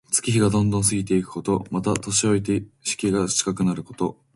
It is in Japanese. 月日がどんどん過ぎていくこと。また、年老いて死期が近くなること。